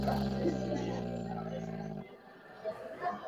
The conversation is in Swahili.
Wareno walipofukuzwa katika pwani za Uswahilini